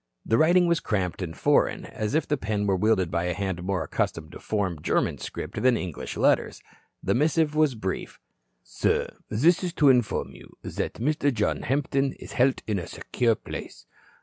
The writing was cramped and foreign, as if the pen were wielded by a hand more accustomed to form German script than English letters. The missive was brief: "Sir, this is to inform you that Mr. John Hampton is held in a secure place.